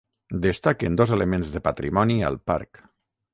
Destaquen dos elements de patrimoni al parc.